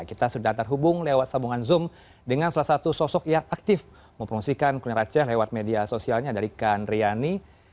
kita sudah terhubung lewat sambungan zoom dengan salah satu sosok yang aktif mempromosikan kuliner aceh lewat media sosialnya dari kandriani